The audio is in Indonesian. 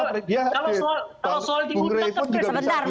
kalau soal diundang kan bung rey pun juga bisa diundang